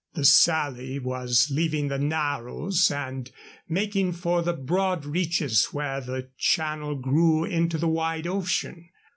The Sally was leaving the narrows and making for the broad reaches where the Channel grew into the wide ocean.